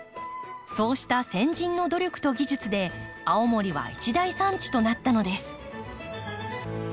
そうした先人の努力と技術で青森は一大産地となったのです。